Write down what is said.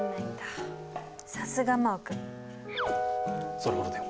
それほどでも。